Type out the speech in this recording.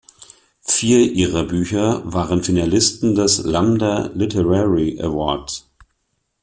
Vier ihrer Bücher waren Finalisten des Lambda Literary Award.